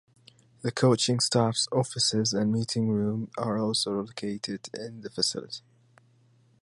The coaching staff's offices and meeting room are also located in the facility.